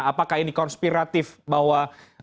apakah ini konspiratif bahwa